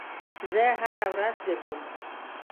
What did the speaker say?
زه هر ورځ ګرځم